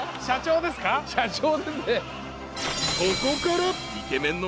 社長ですね。